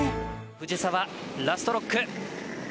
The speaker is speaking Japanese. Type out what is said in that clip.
藤澤、ラストロック。